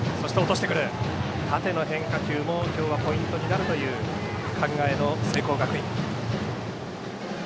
縦の変化球も今日はポイントになるという考えの聖光学院。